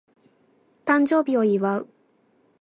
誕生日を祝う